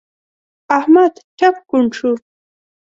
احمد ټپ کوڼ شو.